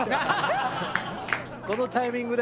このタイミングで。